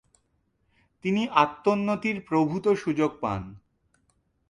তিনি আত্মোন্নতির প্রভূত সুযোগ পান।